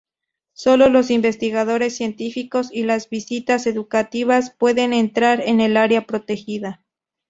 Sólo los investigadores científicos y las visitas educativas pueden entrar en el área protegida.